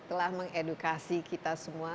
telah mengedukasi kita semua